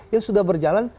yang sudah berjalan